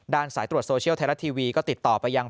สายตรวจโซเชียลไทยรัฐทีวีก็ติดต่อไปยัง